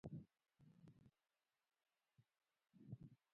پړانګ یو چټک ښکارچی دی.